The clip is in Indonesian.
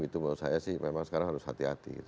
itu menurut saya sih memang sekarang harus hati hati